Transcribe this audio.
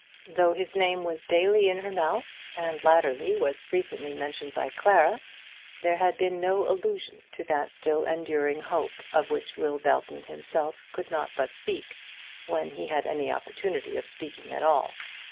Though his name was daily in her mouth, and latterly, was frequently mentioned by Clara, there had been no allusion to that still enduring hope of which Will Belton himself could not but speak, when he had any opportunity of speaking at all.